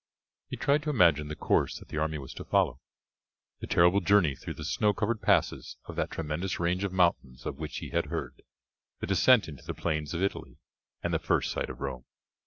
He tried to imagine the course that the army was to follow, the terrible journey through the snow covered passes of that tremendous range of mountains of which he had heard, the descent into the plains of Italy, and the first sight of Rome.